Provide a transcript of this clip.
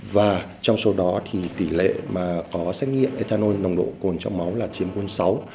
và trong số đó thì tỷ lệ mà có xét nghiệm ethanol nồng độ cồn trong máu là chiếm quân sáu